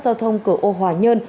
giao thông cửa âu hòa nhân